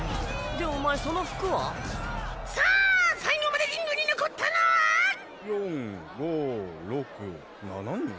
でお前その服は？さあ最後までリングに残ったのは⁉４５６７人？